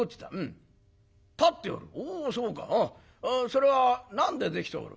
それは何でできておる？